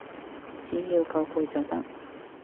只要夠攰就得